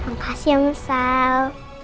makasih ya musal